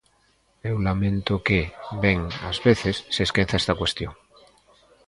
Eu lamento que, ben, ás veces se esqueza esta cuestión.